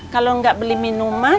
kalau nggak beli minuman